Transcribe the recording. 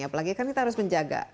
apalagi kan kita harus menjaga